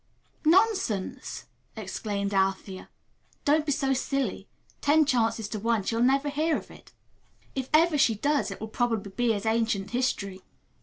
"Nonsense!" exclaimed Althea. "Don't be so silly. Ten chances to one she'll never hear of it. If ever she does, it will probably be as ancient history.